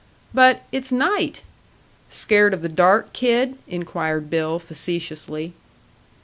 "But it's night!" "Scared of the dark, kid?" inquired Bill, facetiously.